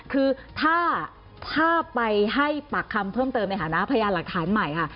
คือถ้าไปให้ปากคำเพิ่มเติมในฐานะพยานหลักฐานใหม่ค่ะ